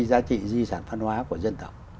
giá trị di sản văn hóa của dân tộc